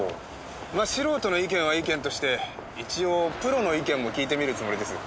まあ素人の意見は意見として一応プロの意見も聞いてみるつもりです。